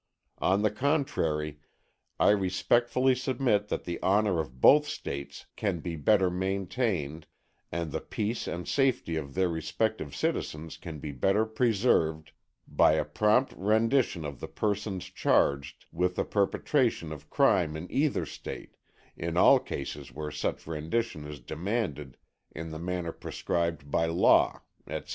On the contrary, I respectfully submit that the honor of both States can be better maintained, and the peace and safety of their respective citizens can be better preserved, by a prompt rendition of the persons charged with the perpetration of crime in either State, in all cases where such rendition is demanded in the manner prescribed by law" etc.